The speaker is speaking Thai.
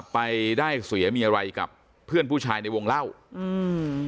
ไปได้เสียมีอะไรกับเพื่อนผู้ชายในวงเล่าอืม